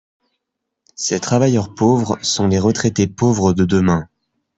Ces travailleurs pauvres sont les retraités pauvres de demain.